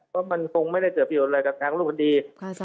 เพราะมันคงไม่ได้เกิดประโยชน์อะไรกับทางรูปคดี